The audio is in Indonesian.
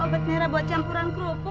obat merah buat campuran kerupuk